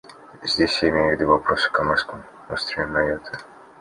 Здесь я имею в виду вопрос о коморском острове Майотта.